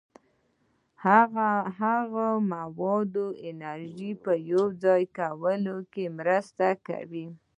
هغوی د موادو او انرژي په یوځای کولو کې مرسته کوي.